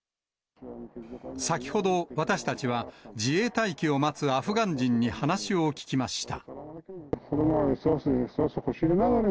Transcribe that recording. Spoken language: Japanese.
先ほど、私たちは、自衛隊機を待つアフガン人に話を聞きました。